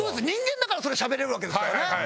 人間だからそれしゃべれるわけですからね。